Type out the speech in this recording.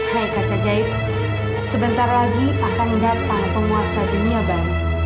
hai kaca jaib sebentar lagi akan datang penguasa dunia baru